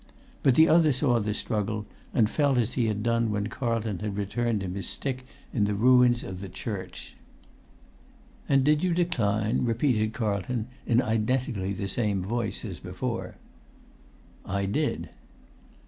But the other saw the struggle, and felt as he had done when Carlton had returned him his stick in the ruins of the church. "And did you decline?" repeated Carlton, in identically the same voice as before. "I did."